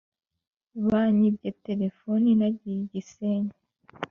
Banyibye telephone nagiye igisenyi